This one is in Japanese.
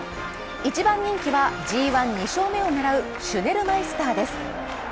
１番人気はＧⅠ２勝目を狙うシュネルマイスターです。